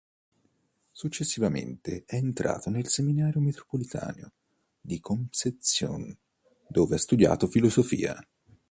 Successivamente è entrato nel seminario metropolitano di Concepción dove ha studiato filosofia.